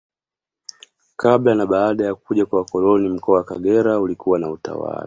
Kabla na baada ya kuja kwa wakoloni Mkoa wa Kagera ulikuwa na utawala